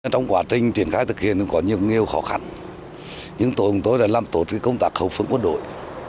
trong quá trình triển khai thực hiện có nhiều nghiêu khó khăn nhưng tổ của tôi đã làm tổ chức công tác khẩu phương quân đội